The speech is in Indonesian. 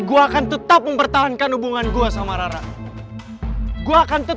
gak ada yang boleh nyakitin cewek gue